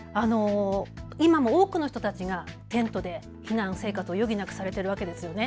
今も多くの人たちがテントで避難生活を余儀なくされているわけですよね。